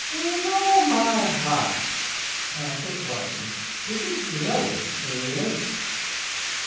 "With all my heart," answered Wharton. "It is growing late."